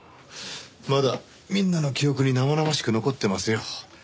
まだみんなの記憶に生々しく残ってますよ。